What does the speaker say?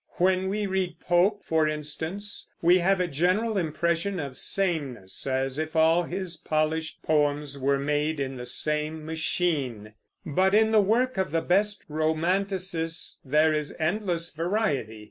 When we read Pope, for instance, we have a general impression of sameness, as if all his polished poems were made in the same machine; but in the work of the best romanticists there is endless variety.